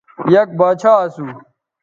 یک باچھا اسو